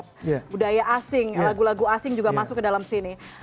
budaya asing lagu lagu asing juga masuk ke dalam sini